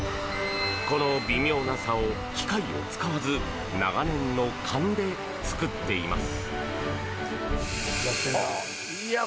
この微妙な差を機械を使わず長年の勘で作っています。